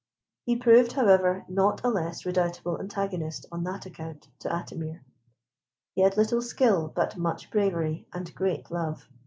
He proved, however, not a less redoubtable antagonist on that account to Atimir. He had little skill, but much bravery, and great love.